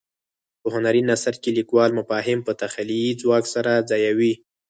په هنري نثر کې لیکوال مفاهیم په تخیلي ځواک سره ځایوي.